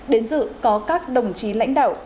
đến dự có các đồng chí lãnh đạo